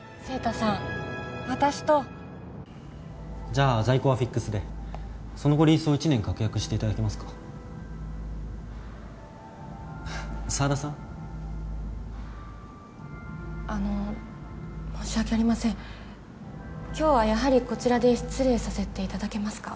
じゃあ在庫はフィックスでその後リースを１年確約していただけますか沢田さん？あの申し訳ありません今日はやはりこちらで失礼させていただけますか？